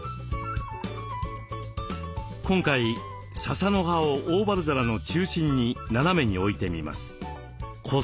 今回ささの葉をオーバル皿の中心に斜めに置いてみます。